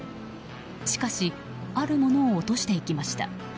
しかしあるものを落としていきました。